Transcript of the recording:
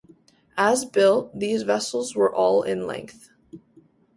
As built, these vessels were all in length.